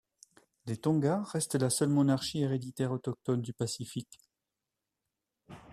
Les Tonga restent la seule monarchie héréditaire autochtone du Pacifique.